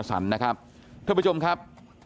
ท่านผู้ชมครับ